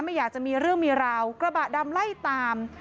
ไม่อยากจะมีเรื่องมีราวกระบะดำไล่ตาม